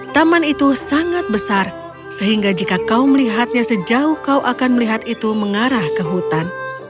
taman itu sangat besar sehingga jika kau melihatnya sejauh kau akan melihat itu mengarah ke hutan